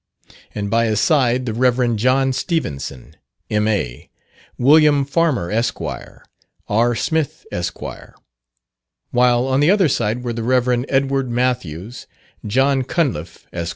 and by his side the Rev. John Stevenson, M.A., Wm. Farmer, Esq., R. Smith, Esq.; while on the other side were the Rev. Edward Mathews, John Cunliff, Esq.